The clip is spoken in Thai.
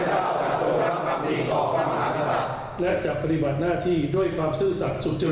และจะปฏิบัติหน้าที่ด้วยความซื่อสัตว์สุขจริตและจะปฏิบัติหน้าที่ด้วยความซื่อสัตว์สุขจริต